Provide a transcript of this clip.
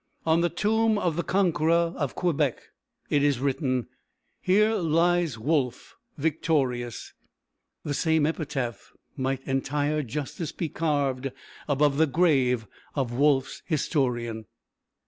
On the tomb of the conqueror of Quebec it is written: "Here lies Wolfe victorious." The same epitaph might with entire justice be carved above the grave of Wolfe's historian.